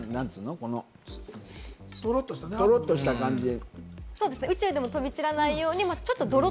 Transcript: トロッとした感じで。